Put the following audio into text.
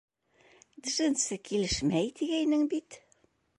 Джинсы килешмәй, тигәйнең бит.